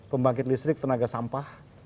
pembangkit listrik tenaga sampah